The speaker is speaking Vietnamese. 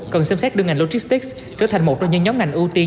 cần xem xét đưa ngành logistics trở thành một trong những nhóm ngành ưu tiên